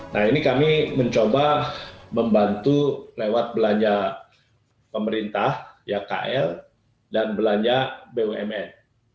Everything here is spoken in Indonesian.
nah ini kami mencoba membantu lewat belanja pemerintah kl dan belanja bumn